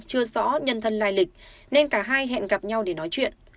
chưa rõ nhân thân lai lịch nên cả hai hẹn gặp nhau để nói chuyện